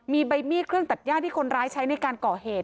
มีใบมีดเครื่องตัดย่าที่คนร้ายใช้ในการก่อเหตุ